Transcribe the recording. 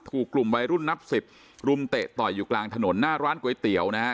ถูกกลุ่มวัยรุ่นนับสิบรุมเตะต่อยอยู่กลางถนนหน้าร้านก๋วยเตี๋ยวนะฮะ